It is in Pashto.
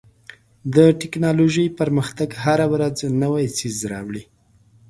د ټکنالوژۍ پرمختګ هره ورځ نوی څیز راوړي.